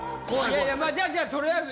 じゃじゃあとりあえず。